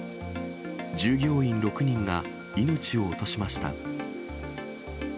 従業員６人が命を落としました。